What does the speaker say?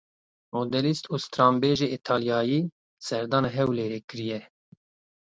Modelîst û stranbêjê Îtalyayî serdana Hewlêrê kiriye.